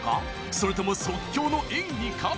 それとも即興の演技か？